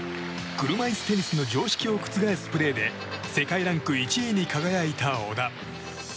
車いすテニスの常識を覆すプレーで世界ランク１位に輝いた小田。